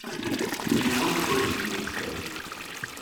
Yiwen ur d-ittmektay.